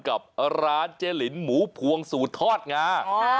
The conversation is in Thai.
กับร้านเจ๊ลินหมูพวงสูตรทอดงา